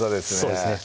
そうですね